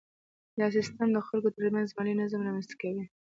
دا سیستم د خلکو ترمنځ مالي نظم رامنځته کوي.